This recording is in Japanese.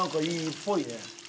っぽいね。